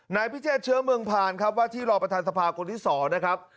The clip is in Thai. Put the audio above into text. นายพิเศษเชื้อเมืองผ่านครับว่าที่รอประธานสภาคนที่๒นะครับ